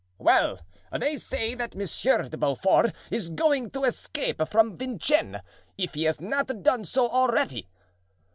"Well, they say that Monsieur de Beaufort is going to escape from Vincennes, if he has not done so already."